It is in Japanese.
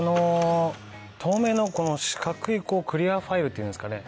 透明の四角いクリアファイルっていうんですかね。